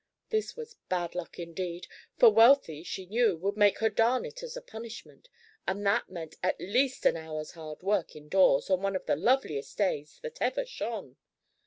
This was bad luck indeed, for Wealthy, she knew, would make her darn it as a punishment, and that meant at least an hour's hard work indoors on one of the loveliest days that ever shone.